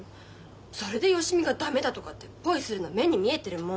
それで芳美が駄目だとかってポイするの目に見えてるもん。